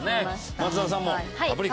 松田さんも『パプリカ』。